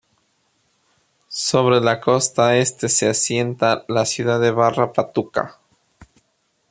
Sobre la costa este se asienta la ciudad de Barra Patuca.